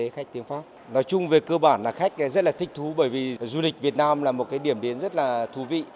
khách rất là thích thú bởi vì du lịch việt nam là một điểm đến rất là thú vị